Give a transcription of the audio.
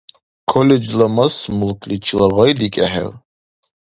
Колледжла «мас-мулкличила» гъайдикӀехӀев?